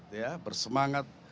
semangat berkemauan kuat